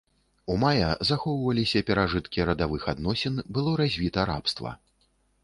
У мая захоўваліся перажыткі радавых адносін, было развіта рабства.